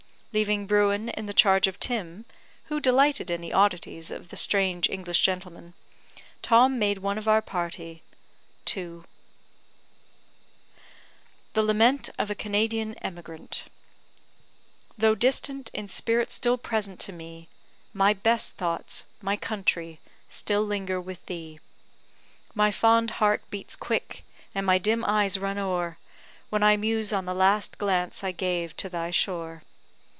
Leaving Bruin in the charge of Tim (who delighted in the oddities of the strange English gentleman), Tom made one of our party to . THE LAMENT OF A CANADIAN EMIGRANT Though distant, in spirit still present to me, My best thoughts, my country, still linger with thee; My fond heart beats quick, and my dim eyes run o'er, When I muse on the last glance I gave to thy shore.